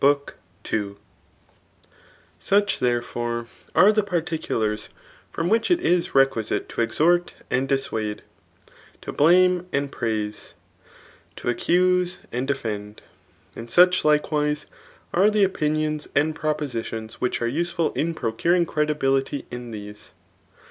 CHAPTER I SUCH» tberefove^ are die particulars from which it is requinte to exhort and dissoade, to blame and praise^ to accuse and defend, and such likewise are the opinions and propositions which are useful in procuring credifaHity in these.